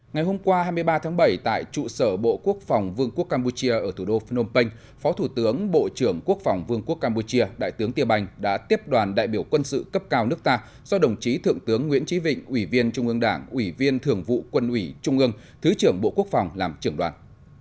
ngày hôm qua hai mươi ba tháng bảy tại trụ sở bộ quốc phòng vương quốc campuchia ở thủ đô phnom penh phó thủ tướng bộ trưởng quốc phòng vương quốc campuchia đại tướng tiên bành đã tiếp đoàn đại biểu quân sự cấp cao nước ta do đồng chí thượng tướng nguyễn trí vịnh ủy viên trung ương đảng ủy viên thường vụ quân ủy trung ương thứ trưởng bộ quốc phòng làm trưởng đoàn